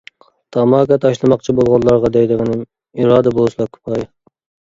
تاماكا تاشلىماقچى بولغانلارغا دەيدىغىنىم، ئىرادە بولسىلا كۇپايە.